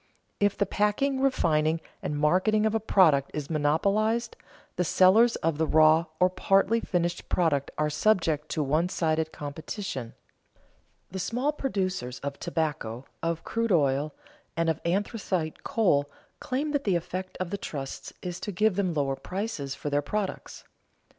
If the packing, refining, and marketing of a product is monopolized, the sellers of the raw or partly finished product are subject to one sided competition. The small producers of tobacco, of crude oil, and of anthracite coal claim that the effect of the trusts is to give them lower prices for their products.